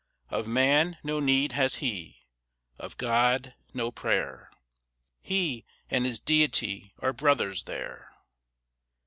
Of man no need has he, of God, no prayer; He and his Deity are brothers there.